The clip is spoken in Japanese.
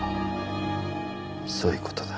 そういう事だ。